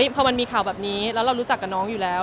พอมันมีข่าวแบบนี้แล้วเรารู้จักกับน้องอยู่แล้ว